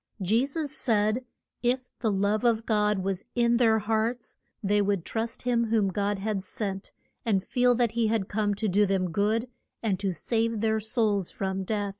Je sus said if the love of God was in their hearts they would trust him whom God had sent, and feel that he had come to do them good, and to save their souls from death.